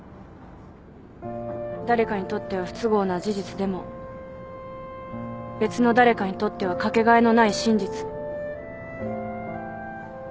「誰かにとっては不都合な事実でも別の誰かにとってはかけがえのない真実」